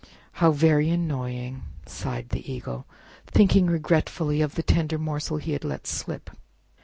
"How very annoying!" sighed the Eagle, thinking regretfully of the tender morsel he had let slip.